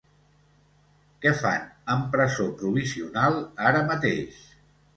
Què fan en presó provisional ara mateix?.